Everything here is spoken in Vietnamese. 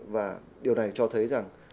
và điều này cho thấy rằng